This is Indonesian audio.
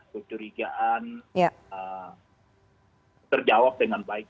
kecurigaan terjawab dengan baik